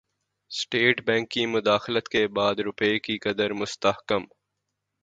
state Bank کی مداخلت کے بعد روپے کی قدر مستحکم